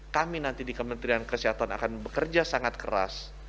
kami nanti di kementerian kesehatan akan bekerja sangat keras